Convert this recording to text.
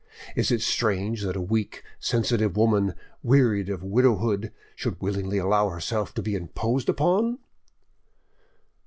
Is it strange that a weak, sensitive woman, wearied of widowhood, should willingly allow herself to be imposed on?"